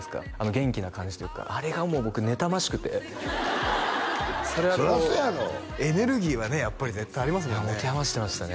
元気な感じというかあれがもう僕ねたましくてエネルギーはね絶対ありますもんね持て余してましたね